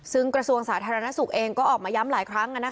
ซึ่งกระทรวงสาธารณสุขเองก็ออกมาย้ำหลายครั้ง